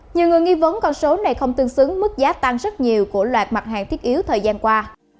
nhiều người nghi vấn con số này không tương xứng mức giá tăng rất nhiều của loạt mặt hàng thiết yếu thời gian qua